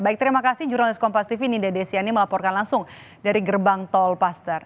baik terima kasih jurnalis kompas tv nida desiani melaporkan langsung dari gerbang tol paster